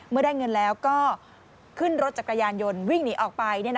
เมื่อได้เงินแล้วก็ขึ้นรถจักรยานยนต์วิ่งหนีออกไป